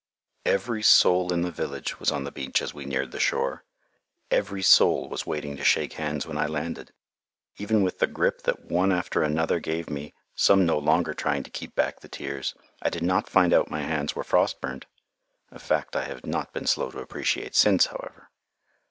Every soul in the village was on the beach as we neared the shore. Every soul was waiting to shake hands when I landed. Even with the grip that one after another gave me, some no longer trying to keep back the tears, I did not find out my hands were frost burnt, a fact I have not been slow to appreciate since, however.